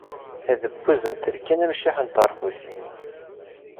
Adebbuz n telkin, ameccaḥ n teṛbutin.